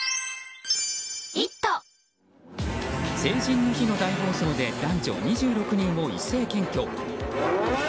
成人の日の大暴走で男女２６人を一斉検挙。